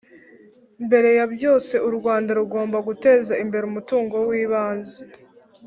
mbere ya byose, u rwanda rugomba guteza imbere umutungo w'ibanze